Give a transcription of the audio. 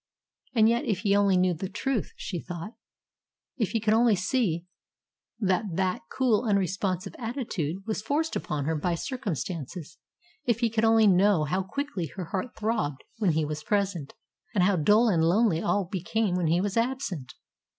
And yet if he only knew the truth, she thought; if he could only see that that cool, unresponsive attitude was forced upon her by circumstances; if he could only know how quickly her heart throbbed when he was present, and how dull and lonely all became when he was absent!